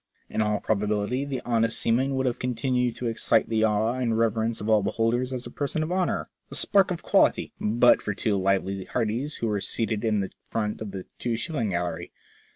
In all probability the honest seaman would have con tinued to excite the awe and reverence of all beholders as a person of honour, a spark of quality, but for two lively hearties who were seated in the front of the two shilling gallery.